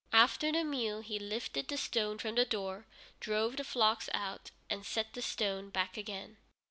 After the meal, he lifted the stone from the door, drove the flocks out, and set the stone back again.